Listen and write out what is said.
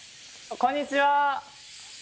こんにちは。